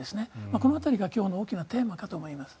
この辺りが今日の大きなテーマかと思います。